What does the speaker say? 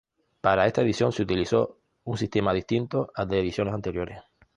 Para esta edición se utilizó un sistema distinto al de ediciones anteriores.